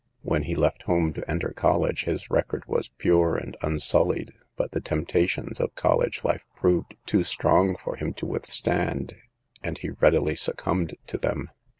When he left home to enter college, his record was pure and unsullied ; but the temptations of college life proved too strong for him to withstand, and he readily succumbed to them.